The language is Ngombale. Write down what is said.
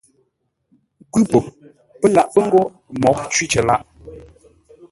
Kwʉ̌ po, pə́ laʼ pə́ ngô ə́ mǒghʼ cwí lâʼ.